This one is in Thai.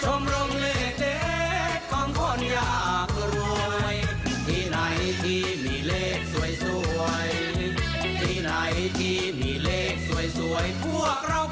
ชมลงเลขเด็ก